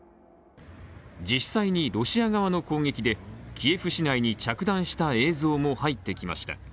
実際にロシア側の攻撃でキエフ市内に着弾した映像も入ってきました。